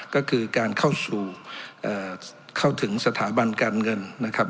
ก็คือการเข้าสู่เข้าถึงสถาบันการเงินนะครับ